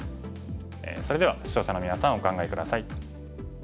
それでは視聴者のみなさんお考え下さい。